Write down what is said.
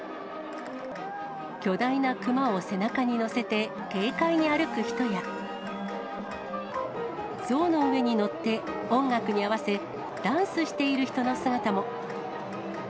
巨大なクマを背中に乗せて、軽快に歩く人や、象の上に乗って、音楽に合わせ、ダンスしている人の姿も。